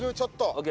ＯＫ。